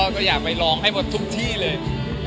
ก็อยากไปลองให้หมดทุกที่เลย